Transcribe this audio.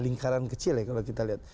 lingkaran kecil ya kalau kita lihat